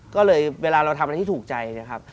ก็เลยเวลาเราทำอะไรที่ถูกใจนะครับ